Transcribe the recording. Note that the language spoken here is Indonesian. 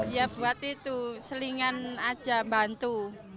ya buat itu selingan aja bantu